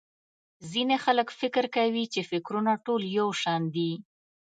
ځينې خلک فکر کوي چې٫ فکرونه ټول يو شان دي.